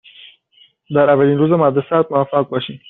در اولین روز مدرسه ات موفق باشی.